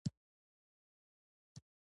• مینه د صبر امتحان دی.